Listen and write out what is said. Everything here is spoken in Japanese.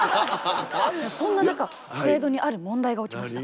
そんな中スペードにある問題が起きました。